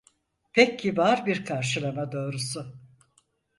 Pek kibar bir karşılama doğrusu!